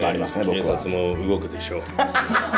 警察も動くでしょう。